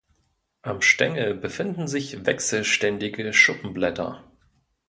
Am Stängel befinden sich wechselständige Schuppenblätter.